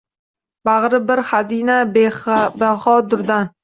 Bag’ri bir xazina — bebaho durdan